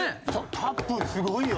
タップすごいよ。